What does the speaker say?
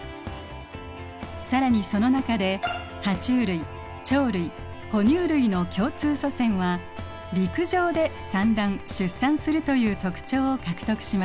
更にその中でハチュウ類鳥類哺乳類の共通祖先は陸上で産卵・出産するという特徴を獲得しました。